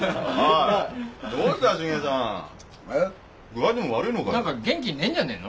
具合でも悪いのかよ？